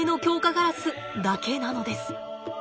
ガラスだけなのです。